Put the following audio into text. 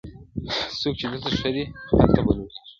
څوک چی دلته ښه دي هلته به لوړېږي٫